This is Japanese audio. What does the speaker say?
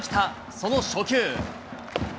その初球。